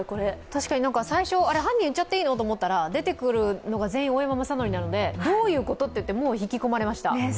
確かに最初、あれ、犯人言っちゃっていいのと思ったら出てくるのが全員オオヤママサノリなのでどういうこと？ってもう引き込まれました。